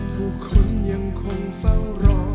ทุกคนยังคงฟังรอ